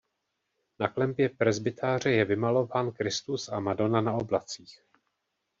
Na klenbě presbytáře je vymalován Kristus a Madona na oblacích.